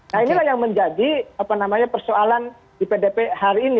nah inilah yang menjadi apa namanya persoalan di pdip hari ini